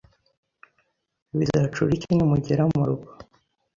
bizacura iki nimugera mu rugo